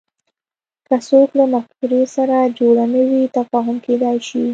که څوک له مفکورې سره جوړ نه وي تفاهم کېدای شي